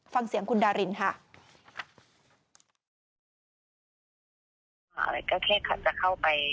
ฟังเสียงคุณดารินค่ะ